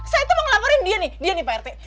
saya itu mau ngelaporin dia nih pak rt